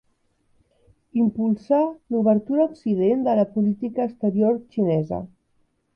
Impulsà l'obertura a Occident de la política exterior xinesa.